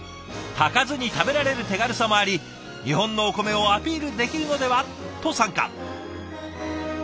炊かずに食べられる手軽さもあり日本のお米をアピールできるのでは？と参加。